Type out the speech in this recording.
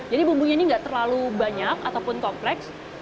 jadi bumbunya ini tidak terlalu banyak ataupun kompleks